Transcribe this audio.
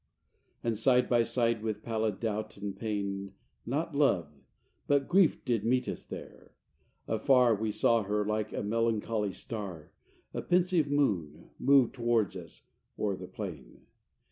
V And side by side with pallid Doubt and Pain, Not Love, but Grief did meet us there: afar We saw her, like a melancholy star, A pensive moon, move towards us o'er the plain.